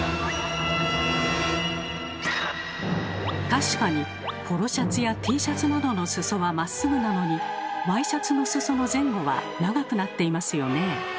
確かにポロシャツやＴシャツなどの裾はまっすぐなのにワイシャツの裾の前後は長くなっていますよね。